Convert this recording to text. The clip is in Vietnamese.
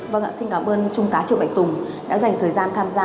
vâng ạ xin cảm ơn trung tá triệu bạch tùng đã dành thời gian tham gia